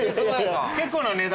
結構な値段。